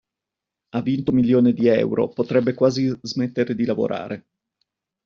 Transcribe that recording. Ha vinto un milione di euro, potrebbe quasi smettere di lavorare.